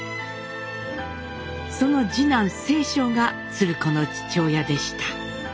その次男正鐘が鶴子の父親でした。